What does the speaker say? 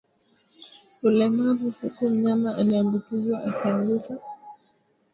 Ulemavu huku mnyama aliyeambukizwa akianguka